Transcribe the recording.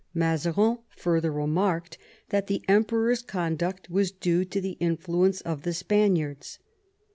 Mazarin further remarked that the Emperor's conduct was due to the influence of the Spaniards.